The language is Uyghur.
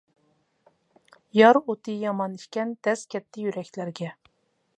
يار ئوتى يامان ئىكەن، دەز كەتتى يۈرەكلەرگە.